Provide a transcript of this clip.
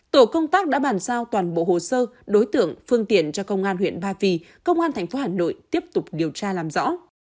tổ công tác đã bàn giao toàn bộ hồ sơ đối tượng phương tiện cho công an huyện ba vì công an tp hà nội tiếp tục điều tra làm rõ